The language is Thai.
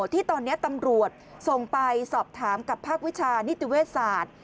ที่ตอนนี้ตำรวจส่งไปสอบถามกับภาควิชานิติเวชศาสตร์